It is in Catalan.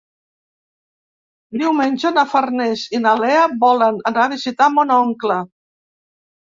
Diumenge na Farners i na Lea volen anar a visitar mon oncle.